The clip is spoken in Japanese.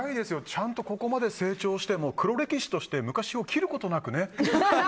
ちゃんとここまで成長しても黒歴史として昔を切ることなくね。